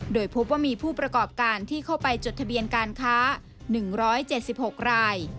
โดยพบว่ามีผู้ประกอบการที่เข้าไปจดทะเบียนการค้า๑๗๖ราย